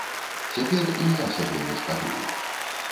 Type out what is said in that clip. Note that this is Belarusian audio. Цяпер і я сябе не шкадую.